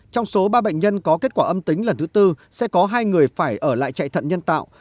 trong số ba bệnh nhân có kết quả âm tính lần thứ tư sẽ có hai người phải ở lại chạy thận nhân tạo